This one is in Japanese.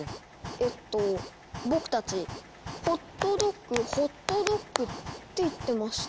えっと僕たち「ホットドッグホットドッグ」って言ってました。